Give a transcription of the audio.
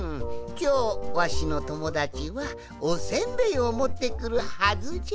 きょうわしのともだちはおせんべいをもってくるはずじゃ。